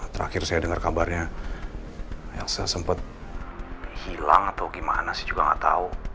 terakhir saya dengar kabarnya elsa sempet hilang atau gimana sih juga gak tau